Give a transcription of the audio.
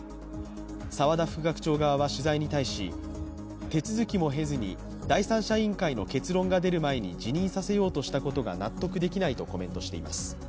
沢田副学長側は取材に対し、手続きも経ずに、第三者委員会の結論が出る前に辞任させようとしたことが納得できないとコメントしています。